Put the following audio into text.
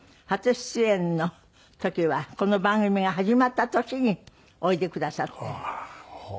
初出演の時はこの番組が始まった時においでくださって。